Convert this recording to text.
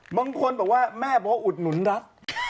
บางคนบอกว่าแม่บอกว่าอุดหนุนรัฐ